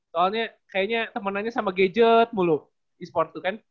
soalnya kayaknya temenannya sama gadget mulu esports tuh kan